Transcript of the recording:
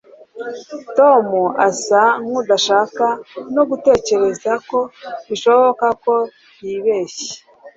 tom asa nkudashaka no gutekereza ko bishoboka ko yibeshye